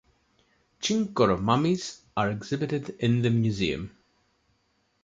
Chinchorro mummies are exhibited in the museum.